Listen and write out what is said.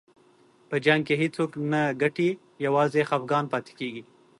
په جنګ کې هېڅوک نه ګټي، یوازې خفګان پاتې کېږي.